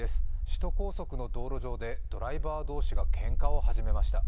首都高速の道路上でドライバー同士がけんかを始めました。